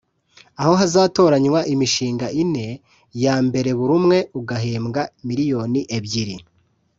aho hazatoranywa imishinga ine ya mbere buri umwe ugahembwa miliyoni ebyiri